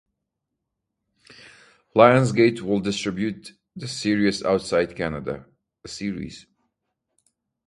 Lionsgate will distribute the series outside Canada.